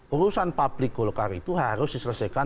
urusan publik golkar itu harus diselesaikan